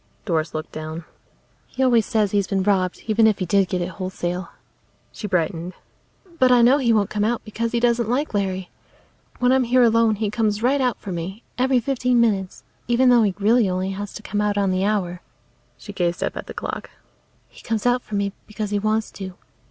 Doris looked down. "He always says he's been robbed, even if he did get it wholesale." She brightened. "But I know he won't come out because he doesn't like Larry. When I'm here alone he comes right out for me, every fifteen minutes, even though he really only has to come out on the hour." She gazed up at the clock. "He comes out for me because he wants to.